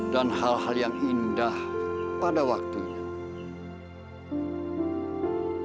dan hal hal yang indah pada waktunya